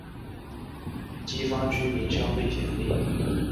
是许多跆拳道国手的摇篮。